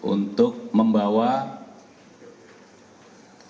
untuk membawa jenazah korban ke kalimalang